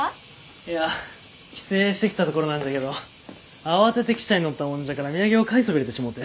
いや帰省してきたところなんじゃけど慌てて汽車に乗ったもんじゃから土産を買いそびれてしもうて。